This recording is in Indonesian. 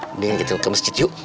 mendingan gitu ke masjid yuk